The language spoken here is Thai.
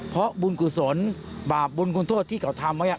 เพราะบุญกุศลบาปบุญคุณโทษที่เขาทำไว้